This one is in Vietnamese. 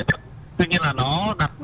tuy nhiên là nó đặt